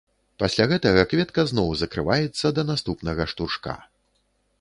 Пасля гэтага кветка зноў закрываецца да наступнага штуршка.